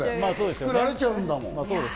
作られちゃうんだもん。